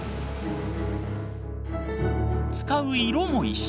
使う色も一新。